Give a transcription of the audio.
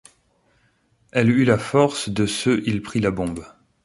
Elle eut la force de se Il prit la bombe